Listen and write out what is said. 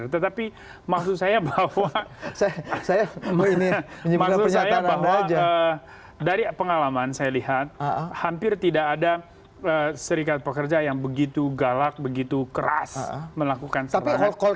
tetapi maksud saya bahwa maksud saya bahwa dari pengalaman saya lihat hampir tidak ada serikat pekerja yang begitu galak begitu keras melakukan serangan